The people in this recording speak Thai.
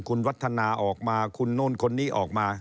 คุณวัฒนาออกมาคุณโน่นคนนี้ออกมา